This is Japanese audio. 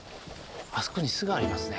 あそこに巣がありますね。